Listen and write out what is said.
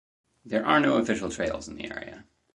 There are no official trails in the area.